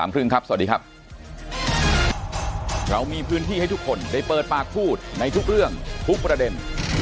เปิดปากกับภาครูม